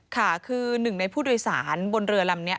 ค่ะคือหนึ่งในผู้โดยสารบนเรือลำนี้